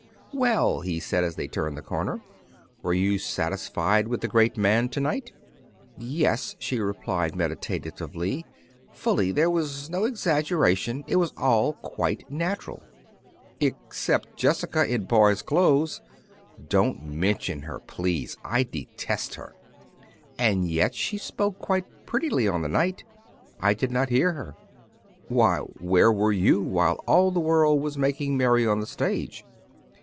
"Well," he said, as they turned the corner, "Were you satisfied with the great man to night?" "Yes," she replied meditatively, "fully; there was no exaggeration, it was all quite natural." "Except Jessica in boy's clothes." "Don't mention her, please; I detest her." "And yet she spoke quite prettily on the night." "I did not hear her." "Why, where were you while all the world was making merry on the stage?"